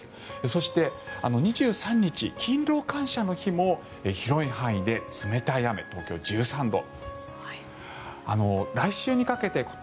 そして、２３日勤労感謝の日も広い範囲で冷たい雨東京１３度。